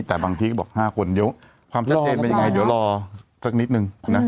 แต่บางทีบอก๕คนเดี๋ยวความชัดเจนเป็นไงเดี๋ยวรอสักนิดหนึ่ง